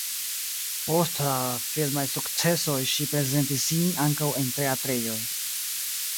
Post la filmaj sukcesoj ŝi prezentis sin ankaŭ en teatrejoj.